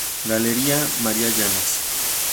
Galería María Llanos.